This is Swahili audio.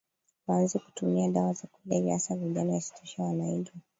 waanze kutumia dawa za kulevya hasa vijana Isitoshe wanaiga